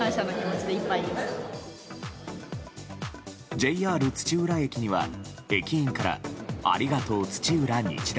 ＪＲ土浦駅には駅員からありがとう土浦日大！